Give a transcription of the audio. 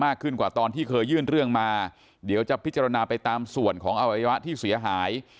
ขึ้นกว่าตอนที่เคยยื่นเรื่องมาเดี๋ยวจะพิจารณาไปตามส่วนของอวัยวะที่เสียหาย